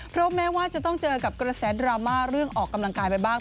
เพราะแม้ว่าจะต้องเจอกับกระแสดราม่าเรื่องออกกำลังกายไปบ้าง